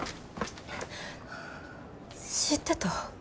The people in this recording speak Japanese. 知ってた？